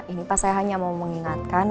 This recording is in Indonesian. ini pak saya hanya mau mengingatkan